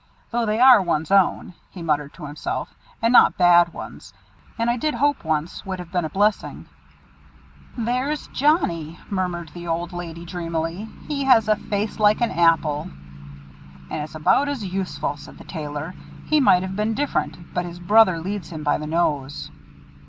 Though they are one's own," he muttered to himself, "and not bad ones, and I did hope once would have been a blessing." "There's Johnnie," murmured the old lady, dreamily. "He has a face like an apple." "And is about as useful," said the Tailor. "He might have been different, but his brother leads him by the nose."